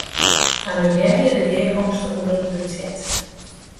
Annulearje de gearkomste oer it budzjet.